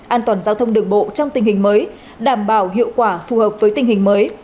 an toàn giao thông đường bộ trong tình hình mới đảm bảo hiệu quả phù hợp với tình hình mới